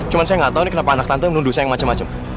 cuman saya gak tau nih kenapa anak tante menundusnya yang macem macem